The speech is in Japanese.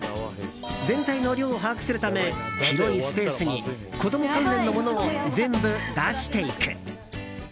全体の量を把握するため広いスペースに子供関連のものを全部出していく。